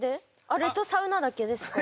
あれとサウナだけですか？